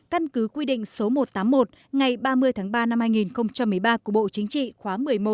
căn cứ quy định số một trăm tám mươi một ngày ba mươi tháng ba năm hai nghìn một mươi ba của bộ chính trị khóa một mươi một